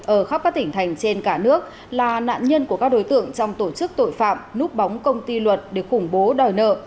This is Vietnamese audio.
ở khắp các tỉnh thành trên cả nước là nạn nhân của các đối tượng trong tổ chức tội phạm núp bóng công ty luật để khủng bố đòi nợ